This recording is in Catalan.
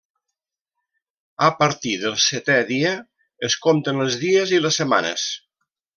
A partir del setè dia, es compten els dies i les setmanes.